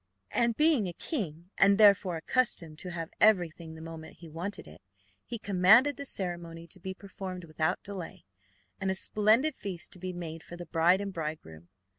And, being a king, and therefore accustomed to have everything the moment he wanted it, he commanded the ceremony to be performed without delay, and a splendid feast to be made for the bride and bridegroom.